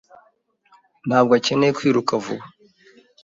Ntabwo akeneye kwiruka vuba.